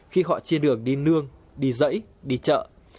khi họ trên đường đi nương đi dẫy đi chợ